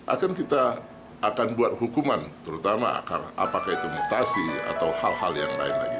akan kita akan buat hukuman terutama apakah itu mutasi atau hal hal yang lain lagi